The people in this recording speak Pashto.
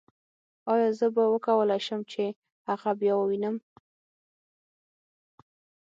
ایا زه به وکولای شم چې هغه بیا ووینم